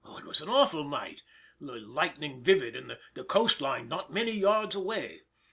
It was an awful night, the lightning vivid, and the coast line not many yards away.